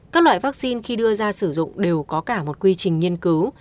các loại vaccine khi đưa ra sử dụng đều có cả một quy trình nghiên cứu